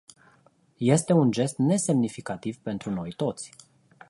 Este un gest nesemnificativ pentru noi toți.